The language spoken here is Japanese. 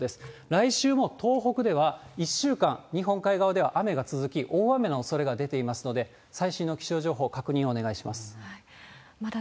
来週も東北では１週間、日本海側では雨が続き、大雨のおそれが出ていますので、最新の気象情報、確認をお願いします。